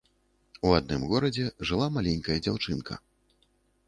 У адным горадзе жыла маленькая дзяўчынка.